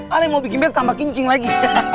ali mau bikin bete tambah kencing lagi